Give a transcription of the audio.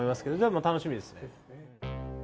でも、楽しみですね。